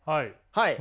はい。